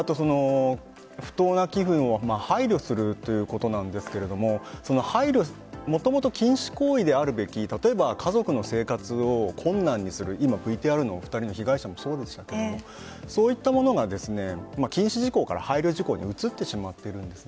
不当な寄付の配慮するということなんですがもともと禁止行為であるとき家族の生活を困難にするＶＴＲのお二人の被害者もそうですがそういったものが禁止事項から配慮事項に移ってしまっているんです。